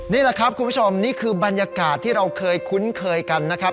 นี่แหละครับคุณผู้ชมนี่คือบรรยากาศที่เราเคยคุ้นเคยกันนะครับ